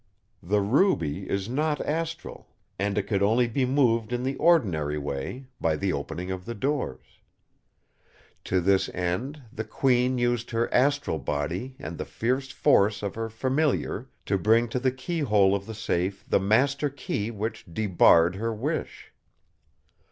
The Ruby is not astral; and it could only be moved in the ordinary way by the opening of the doors. To this end, the Queen used her astral body and the fierce force of her Familiar, to bring to the keyhole of the safe the master key which debarred her wish.